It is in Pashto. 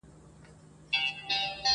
دریم پوښتنه د سرکار او د جهاد کوله،